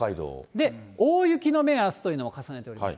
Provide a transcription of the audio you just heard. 大雪の目安というのを重ねております。